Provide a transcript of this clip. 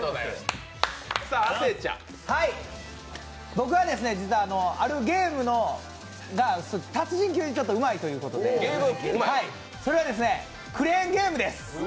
僕は実はあるゲームが達人級にうまいということで、それはクレーンゲームです。